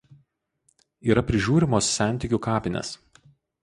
Yra prižiūrimos sentikių kapinės.